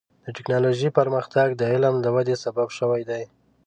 د ټکنالوجۍ پرمختګ د علم د ودې سبب شوی دی.